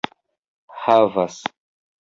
havas